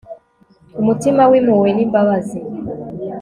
umutima w'impuhwe n'imbabazi